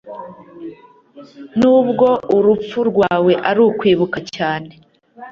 nubwo urupfu rwawe ari kwibuka cyane